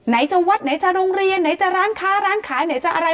ไหนจะวัดไหนจะโรงเรียนไหนจะร้านค้าร้านขายไหนจะอะไร